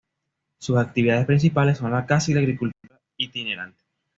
Sus actividades principales son la caza y la agricultura itinerante.